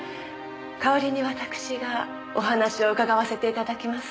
代わりに私がお話を伺わせていただきます。